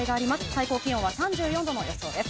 最高気温は３４度の予想です。